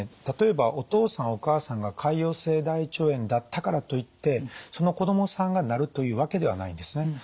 例えばお父さんお母さんが潰瘍性大腸炎だったからといってその子供さんがなるというわけではないんですね。